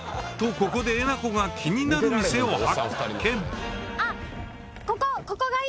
ここでえなこが気になる店を発見あっここ？